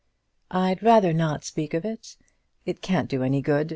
"I'd rather not speak of it. It can't do any good.